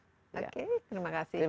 oke terima kasih mbak desy